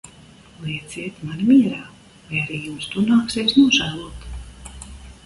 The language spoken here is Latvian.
Lieciet mani mierā, vai arī jums to nāksies nožēlot!